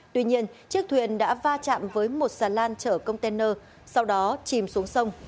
tuy nhiên chiếc thuyền đã va chạm với một sàn lan trở container sau đó chìm xuống sông